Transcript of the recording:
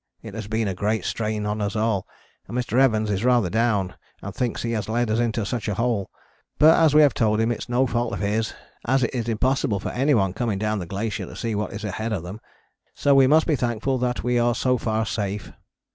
It has been a great strain on us all, and Mr. Evans is rather down and thinks he has led us into such a hole, but as we have told him it is no fault of his, as it is impossible for anyone coming down the glacier to see what is ahead of them, so we must be thankful that we are so far safe.